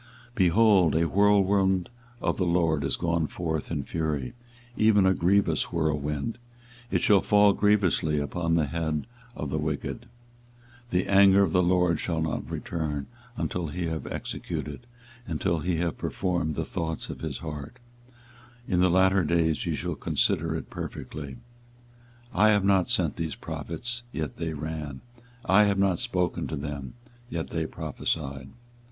24:023:019 Behold, a whirlwind of the LORD is gone forth in fury, even a grievous whirlwind: it shall fall grievously upon the head of the wicked. 24:023:020 The anger of the LORD shall not return, until he have executed, and till he have performed the thoughts of his heart: in the latter days ye shall consider it perfectly. 24:023:021 I have not sent these prophets, yet they ran: I have not spoken to them, yet they prophesied.